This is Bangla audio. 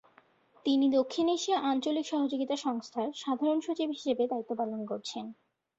তিনি দক্ষিণ এশিয়া আঞ্চলিক সহযোগিতা সংস্থার সাধারণ সচিব হিসেবে দায়িত্ব পালন করেছেন।